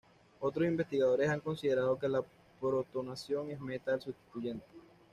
Otros investigadores han considerado que la protonación es "meta" al sustituyente.